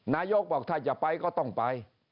นายกบอกถ้าจะไปก็ต้องไป